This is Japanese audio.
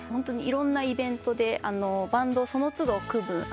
いろんなイベントでバンドをその都度組む。